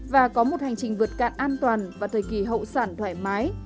và có một hành trình vượt cạn an toàn và thời kỳ hậu sản thoải mái